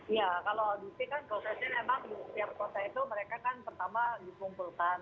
iya kalau audisi kan prosesnya memang di setiap kota itu mereka kan pertama dikumpulkan